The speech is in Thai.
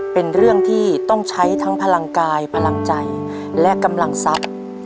เป็นเรื่องที่ต้องใช้ทั้งพลังกายพลังใจและกำลังทรัพย์